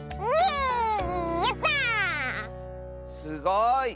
すごい！